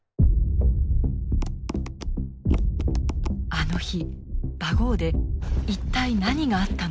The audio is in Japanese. あの日バゴーで一体何があったのか。